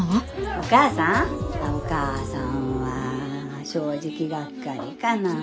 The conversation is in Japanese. お母さんは正直がっかりかなぁ。